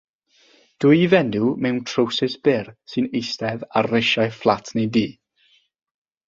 Dwy fenyw mewn trowsus byr sy'n eistedd ar risiau fflat neu dŷ.